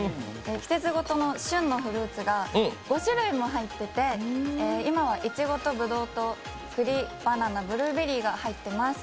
季節ごとの旬のフルーツが５種類も入っていて今はいちごとぶどうとくり、バナナ、ブルーベリーが入っています。